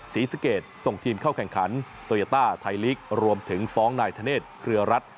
ศรีสะเกดส่งทีมเข้าแข่งขันโตยาต้าไทยลีกรวมถึงฟ้องนายธเนธเครือรัฐ